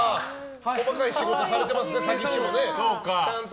細かい仕事されてますね詐欺師も。